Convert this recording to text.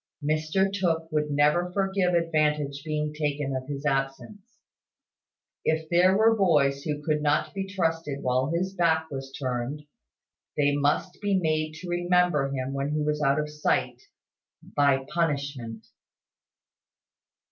Mr Tooke would never forgive advantage being taken of his absence. If there were boys who could not be trusted while his back was turned, they must be made to remember him when he was out of sight, by punishment.